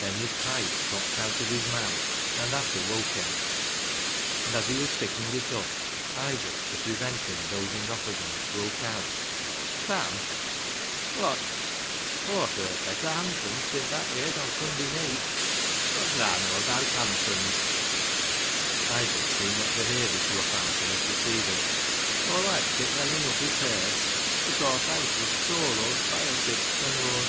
Then his pipe dropped out of his mouth, and that awoke him, and as he was picking it up, Isaac, to prevent him dozing off again, broke out —" Sam !"" Wot ?"" Aw've yerd bet ter hanthums tin that we had o' Sunday neet." " Wot's thaa know abaat hanthums ?" Isaac seemed not to hear this rough answer, and proceeded —" Aw loiked it weel enuff i' perts, bud Aw thowt as th' solo spilet it, thaa knows."